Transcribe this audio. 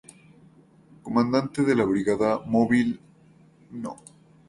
Comandante de la Brigada Móvil No.